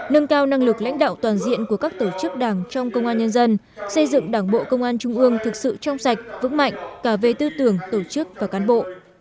nâng cao năng lực lãnh đạo toàn diện của các tổ chức đảng trong công an nhân dân xây dựng đảng bộ công an trung ương thực sự trong sạch vững mạnh cả về tư tưởng tổ chức và cán bộ